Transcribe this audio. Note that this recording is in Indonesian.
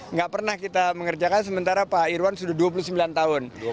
nggak pernah kita mengerjakan sementara pak irwan sudah dua puluh sembilan tahun